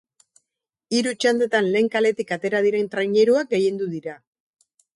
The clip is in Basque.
Hiru txandetan lehen kaletik atera diren traineruak gailendu dira.